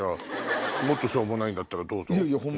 もっとしょうもないんだったらどうぞ。